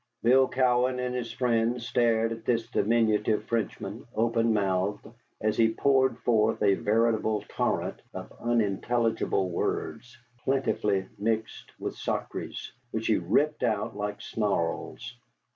Bill Cowan and his friends stared at this diminutive Frenchman, open mouthed, as he poured forth a veritable torrent of unintelligible words, plentifully mixed with sacrés, which he ripped out like snarls.